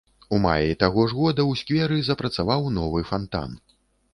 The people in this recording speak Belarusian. У маі таго ж года ў скверы запрацаваў новы фантан.